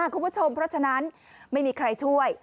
คุณผู้ชมเพราะฉะนั้นไม่มีใครช่วย